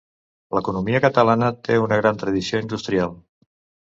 L'economia catalana té una gran tradició industrial.